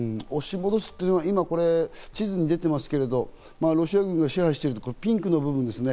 押し戻すというのは地図に出てますけど、ロシア軍が支配している、このピンクの部分ですね。